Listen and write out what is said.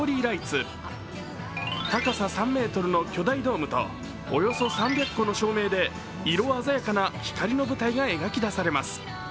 高さ３ｍの巨大ドームとおよそ３００個の照明で色鮮やかな光の舞台が描き出されます。